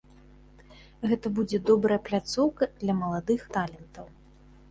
Гэта будзе добрая пляцоўка для маладых талентаў.